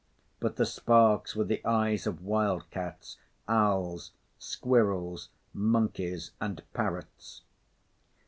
But the sparks were the eyes of wild cats, owls, squirrels, monkeys and parrots.